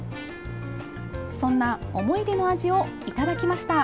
そんな思い出の味をいただきました。